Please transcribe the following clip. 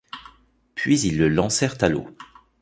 Puis ils le lancèrent à l’eau.